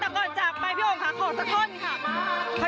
ก่อนจะไปพี่โอ้งคะขอสะท้อนค่ะ